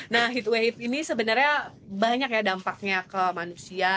nah heatway ini sebenarnya banyak ya dampaknya ke manusia